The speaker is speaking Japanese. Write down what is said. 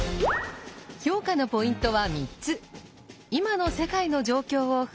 評価のポイントは３つ。